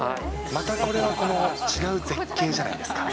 またこれはこの、違う絶景じゃないですか。